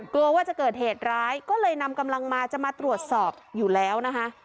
กลัวว่าจะเกิดเหตุร้ายก็เลยนำกำลังมาจะมาตรวจสอบอยู่แล้วนะคะ